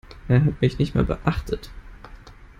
Er hat mich nicht mal beachtet.